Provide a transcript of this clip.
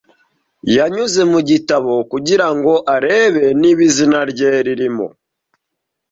Yanyuze mu gitabo kugira ngo arebe niba izina rye ririmo.